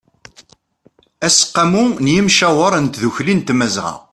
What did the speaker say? aseqqamu n ymcawer n tdukli n tmazɣa